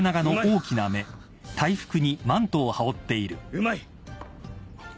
うまい！